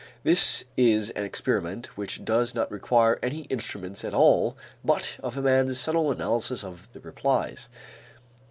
This is an experiment which does not require any instruments at all but a man's subtle analysis of the replies.